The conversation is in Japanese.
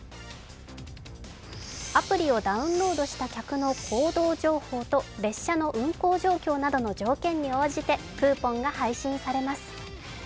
アプリをダウンロードした客の行動情報と列車の運行状況などの条件に応じてクーポンが配信されます。